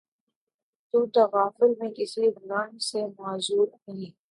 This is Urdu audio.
تو تغافل میں کسی رنگ سے معذور نہیں